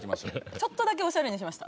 ちょっとだけオシャレにしました。